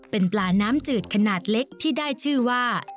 เป็นปลาน้ำจืดขนาดเล็กที่ได้ชื่อว่า